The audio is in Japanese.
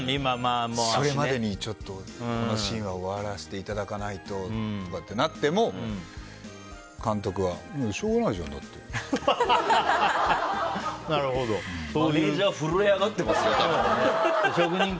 それまでに、このシーンは終わらせていただかないととかってなっても監督は、もうしょうがないじゃんだってって。マネジャー震え上がってますね。